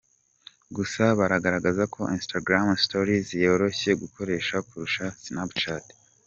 Gusa baragaragaza ko Instagram Stories yoroshye gukoresha kurusha Snapchat.